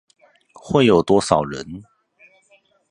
會有多少人？